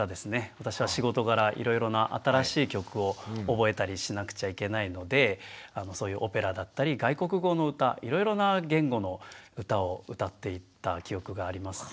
私は仕事柄いろいろな新しい曲を覚えたりしなくちゃいけないのでそういうオペラだったり外国語の歌いろいろな言語の歌を歌っていた記憶がありますね。